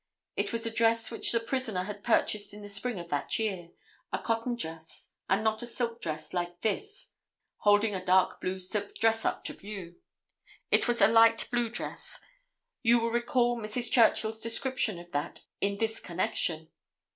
It was a dress which the prisoner had purchased in the spring of that year, a cotton dress and not a silk dress like this (holding a dark blue silk dress up to view). It was a light blue dress. You will recall Mrs. Churchill's description of that in this connection.